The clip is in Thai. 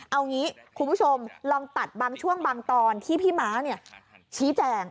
เอางี้คุณผู้ชมลองตัดบางช่วงบางตอนที่พี่ม้าชี้แจง